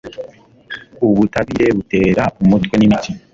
ubutabire butera umutwe nimitsi